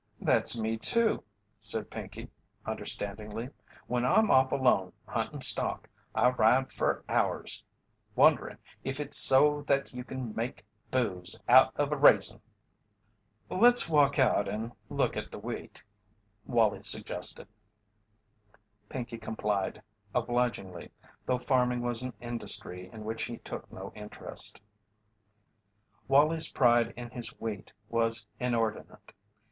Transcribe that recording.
"That's me, too," said Pinkey, understandingly. "When I'm off alone huntin' stock, I ride fer hours wonderin' if it's so that you kin make booze out of a raisin." "Let's walk out and look at the wheat," Wallie suggested. Pinkey complied obligingly, though farming was an industry in which he took no interest. Wallie's pride in his wheat was inordinate.